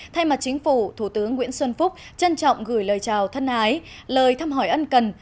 thay mặt chính phủ thủ tướng nguyễn xuân phúc trân trọng gửi lời chào thân ái lời thăm hỏi ân cần